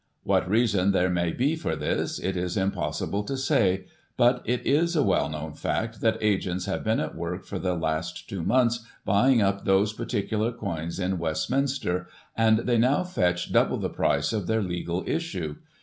What reason there may be for this it is impossible to say; but it is a well known fact, that agents have been at work for the last two months buying up those particular coins in Westminster, and they now fetch double the price of their legal issue.